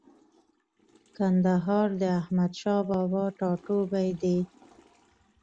کندهار د احمدشاه بابا ټاټوبۍ دی.